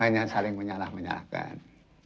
hanya saling menyalah menyalahkan